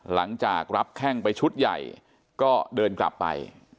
หลังจากรับแข้งไปชุดใหญ่ก็เดินกลับไป